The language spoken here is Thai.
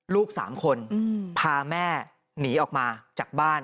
ลูก๓คนพาแม่หนีออกมาจากบ้าน